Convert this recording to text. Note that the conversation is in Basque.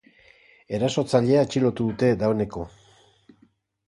Erasotzailea atxilotu dute dagoeneko.